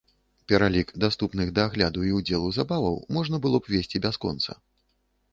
Пералік даступных да агляду і ўдзелу забаваў можна было б весці бясконца.